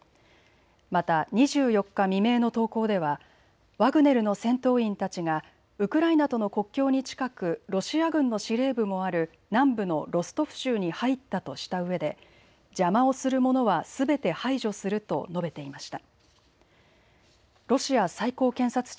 また２４日未明の投稿ではワグネルの戦闘員たちがウクライナとの国境に近くロシア軍の司令部もある南部のロストフ州に入ったとしたうえで邪魔をする者はすべて排除すると述べていました。